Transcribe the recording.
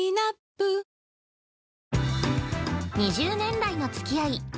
◆２０年来のつき合い。